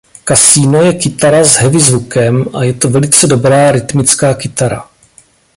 Casino je kytara s „heavy“ zvukem a je to velice dobrá rytmická kytara.